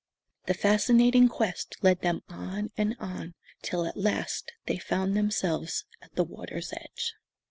The fascinating quest led them on and on till at last they found themselves at the water's edge.